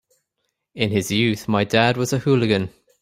In his youth my dad was a hooligan.